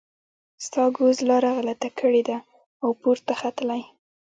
ستا ګوز لاره غلطه کړې ده او پورته ختلی.